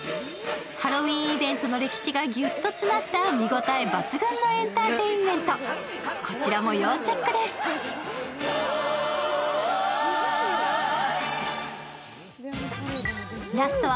ハロウィーンイベントの歴史がギュッと詰まった見応え抜群のエンターテインメント。